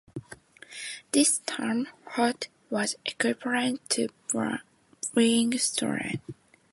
The term "hot" was equivalent to being stolen.